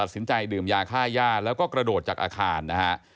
สินใจดื่มยาค่าย่าแล้วก็กระโดดจากอาคารนะฮะ